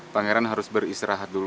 pangeran harus beristirahat dulu